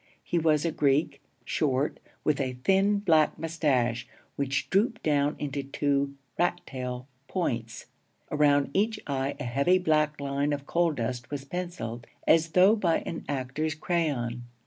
He was a Greek, short, with a thin, black moustache, which drooped down into two 'rat tail' points. Around each eye a heavy black line of coal dust was penciled, as though by an actor's crayon.